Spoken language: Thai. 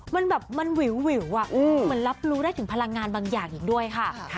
มันแบบมันวิววิวอ่ะอืมมันรับรู้ได้ถึงพลังงานบางอย่างอีกด้วยค่ะค่ะ